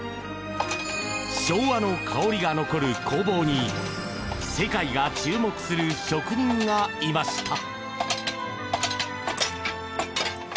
昭和の香りが残る工房に世界が注目する職人がいました。